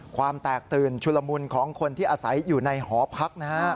ความแตกตื่นชุลมุนของคนที่อาศัยอยู่ในหอพักนะฮะ